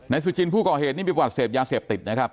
นายสุชินผู้ก่อเหตุนี้มีปวดเศพยาเสพติดนะครับ